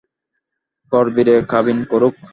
করবীরে কাবিন করুক।